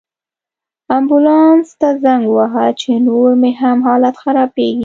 امبولانس ته زنګ ووهه، چې نور مې هم حالت خرابیږي